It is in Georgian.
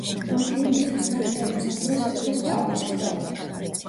ამ ფილმისთვის მათ დაიმსახურეს ოქროს პალმის რტო.